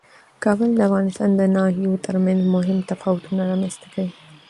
کابل د افغانستان د ناحیو ترمنځ مهم تفاوتونه رامنځ ته کوي.